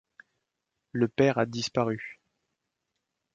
Le père a disparu.